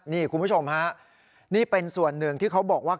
นี่คุณผู้ชมฮะนี่เป็นส่วนหนึ่งที่เขาบอกว่า